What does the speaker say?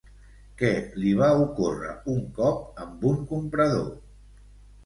Què li va ocórrer un cop amb un comprador?